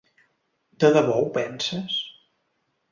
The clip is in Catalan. De debò ho penses?